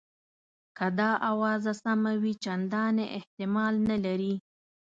که دا آوازه سمه وي چنداني احتمال نه لري.